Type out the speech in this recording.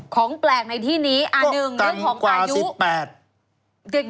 ของแปลกในที่นี้อัน๑แล้วของอายุก็ต่ำกว่า๑๘